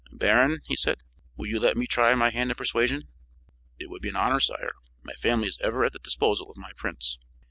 "Baron," he said, "will you let me try my hand at persuasion?" "It would be an honor, sire. My family is ever at the disposal of my prince."